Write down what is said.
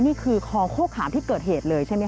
นี่คือคลองโฆขามที่เกิดเหตุเลยใช่ไหมค